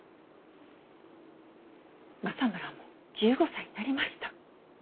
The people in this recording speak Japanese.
政村も１５歳になりました。